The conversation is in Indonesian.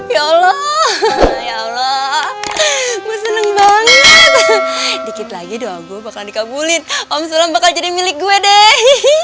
ya allah ya allah seneng banget dikit lagi doa gua bakal dikabulin om sulam bakal jadi milik gue deh